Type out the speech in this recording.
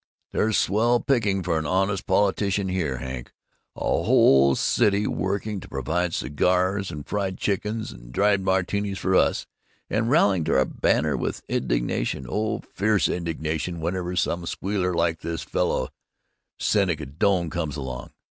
There's swell pickings for an honest politician here, Hank: a whole city working to provide cigars and fried chicken and dry martinis for us, and rallying to our banner with indignation, oh, fierce indignation, whenever some squealer like this fellow Seneca Doane comes along!